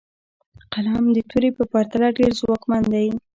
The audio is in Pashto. قلم د تورې په پرتله ډېر ځواکمن دی.